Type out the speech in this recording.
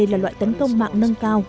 là loại tấn công mạng nâng cao